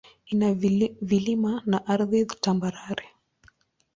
Ina vilima na ardhi tambarare.